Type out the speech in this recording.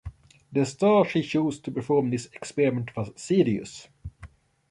The star he chose to perform this experiment was Sirius.